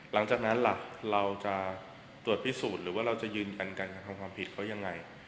หลังจากนั้นล่ะเราจะตรวจพิสูจน์หรือว่าเราจะยืนยันการกระทำความผิดเขายังไง